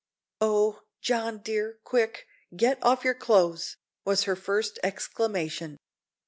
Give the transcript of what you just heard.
"Oh! John dear, quick, get off your clothes," was her first exclamation.